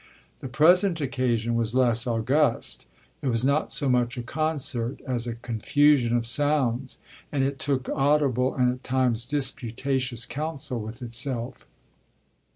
The present occasion was less august; it was not so much a concert as a confusion of sounds, and it took audible and at times disputatious counsel with itself.